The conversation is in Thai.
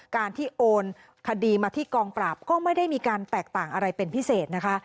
การที่โอนคดีมาที่กองปราบก็ไม่ได้มีการแตกต่างอะไรเป็นพิเศษนะคะ